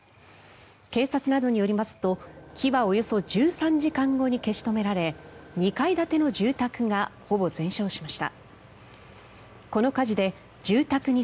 警察などによりますと火はおよそ１３時間後に消し止められ２階建ての住宅がほぼ全焼しました。